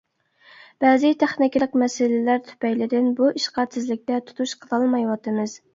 بەزى تېخنىكىلىق مەسىلىلەر تۈپەيلىدىن بۇ ئىشقا تېزلىكتە تۇتۇش قىلالمايۋاتىمىز.